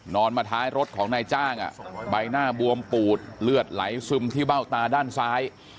มาท้ายรถของนายจ้างใบหน้าบวมปูดเลือดไหลซึมที่เบ้าตาด้านซ้าย